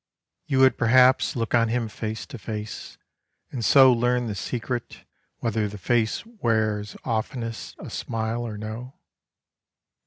You would perhaps look on him face to face, and so learn the secret Whether that face wears oftenest a smile or no?